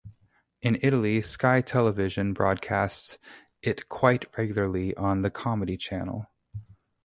In Italy, Sky television broadcasts it quite regularly on the Comedy Channel.